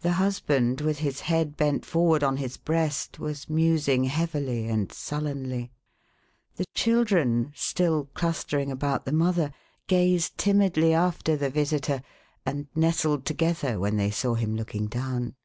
The husband, with his head bent forward on his breast, was musing heavily and sullenly. The children, still clustering about the mother, gazed timidly after the visitor, and nestled together when they saw him looking down.